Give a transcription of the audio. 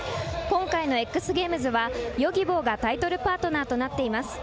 今回のＸＧａｍｅｓはＹｏｇｉｂｏがタイトルパートナーとなっています。